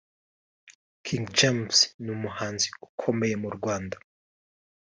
King James ni umuhanzi ukomeye mu Rwanda